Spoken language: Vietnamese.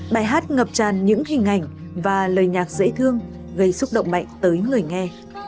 bài hát ngập tràn những hình ảnh và lời nhạc dễ thương gây xúc động mạnh tới người nghe